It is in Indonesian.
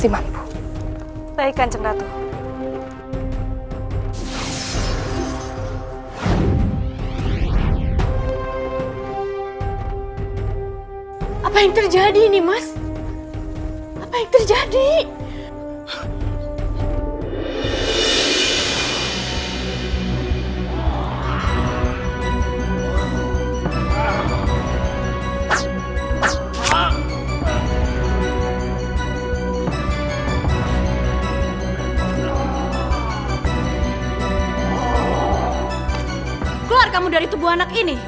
teman dan teman